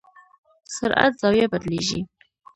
سرعت زاویه بدلېږي.